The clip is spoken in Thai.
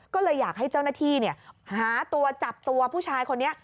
ก็เลยอยากให้เจ้าหน้าที่หาตัวจับตัวผู้ชายคนนี้